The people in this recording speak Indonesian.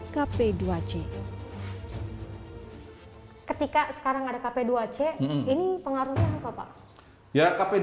ketika sekarang ada kp dua c ini pengaruhnya apa pak